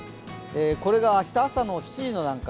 これが明日朝の７時の段階。